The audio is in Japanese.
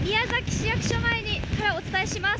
市役所前からお伝えします。